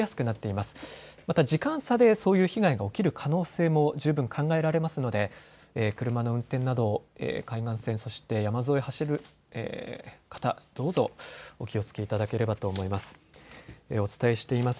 また時間差でそういう被害が起きる可能性も十分考えられますので車の運転など海岸線、そして山沿いを走る方、どうぞお気をつけいただければと思います。